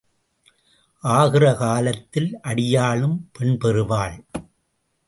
ஆகிற காலத்தில் அடியாளும் பெண் பெறுவாள்.